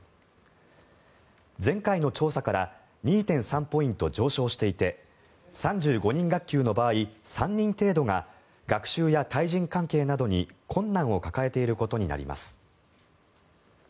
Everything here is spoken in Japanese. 前回の調査から２．３ポイント上昇していて３５人学級の場合、３人程度が学習や対人関係などに困難を抱えていることになります。